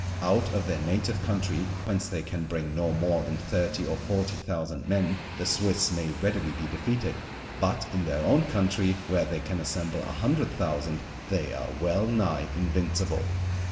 Out of their native country, whence they can bring no more than thirty or forty thousand men, the Swiss may readily be defeated; but in their own country, where they can assemble a hundred thousand, they are well nigh invincible.